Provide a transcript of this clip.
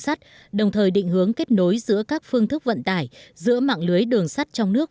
sắt đồng thời định hướng kết nối giữa các phương thức vận tải giữa mạng lưới đường sắt trong nước